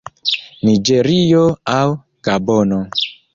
Niĝerio aŭ Gabono.